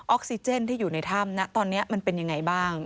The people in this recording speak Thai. ออกซิเจนที่อยู่ในถ้ำนะตอนนี้มันเป็นยังไงบ้าง